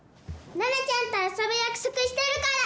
ななちゃんと遊ぶ約束してるから！